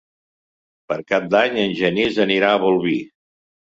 Per Cap d'Any en Genís anirà a Bolvir.